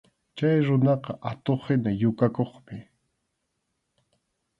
Chay runaqa atuq-hina yukakuqmi.